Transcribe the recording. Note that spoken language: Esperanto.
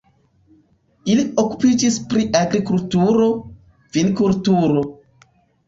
Ili okupiĝis pri agrikulturo, vinkulturo.